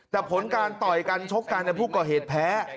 แต่ผลการต่อยกันชกกันผู้ก่อเหตุแพ้